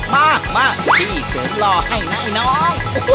มาที่เสริมหล่อให้นะไอ้น้อง